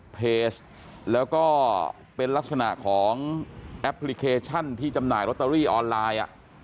เพจแล้วก็เป็นลักษณะของแอปพลิเคชันที่จำหน่ายลอตเตอรี่ออนไลน์